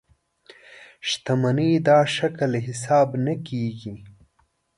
شتمنۍ دا شکل حساب نه کېږي.